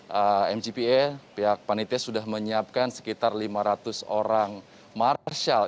jadi mgpa pihak panitia sudah menyiapkan sekitar lima ratus orang marsial